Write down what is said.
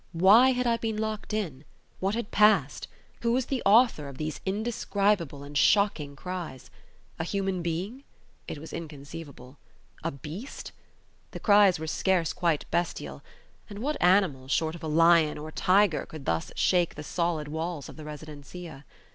Why had I been locked in? What had passed? Who was the author of these indescribable and shocking cries? A human being? It was inconceivable. A beast? The cries were scarce quite bestial; and what animal, short of a lion or a tiger, could thus shake the solid walls of the residencia?